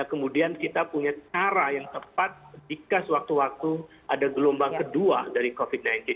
kemudian kita punya cara yang tepat jika sewaktu waktu ada gelombang kedua dari covid sembilan belas